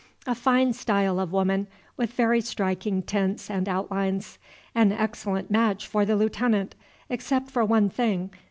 A fine style of woman, with very striking tints and outlines, an excellent match for the Lieutenant, except for one thing.